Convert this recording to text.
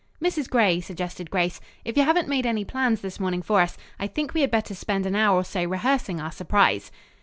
"Mrs. Gray," suggested Grace, "if you haven't made any plans this morning for us, I think we had better spend an hour or so rehearsing our surprise."